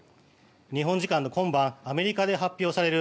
日本時間の今晩アメリカで発表される